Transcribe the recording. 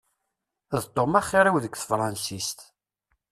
D Tom axir-iw deg tefransist.